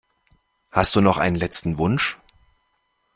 Hast du noch einen letzten Wunsch?